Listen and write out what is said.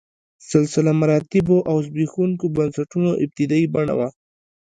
سلسله مراتبو او زبېښونکو بنسټونو ابتدايي بڼه وه.